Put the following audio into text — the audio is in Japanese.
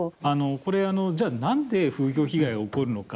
これ、じゃあなんで風評被害が起こるのか。